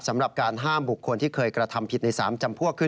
สำหรับการห้ามบุคคลที่เคยกระทำผิดใน๓จำพวกคือ